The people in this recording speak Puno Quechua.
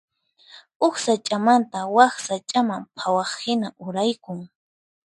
Huk sach'amanta wak sach'aman phawaqhina uraykun.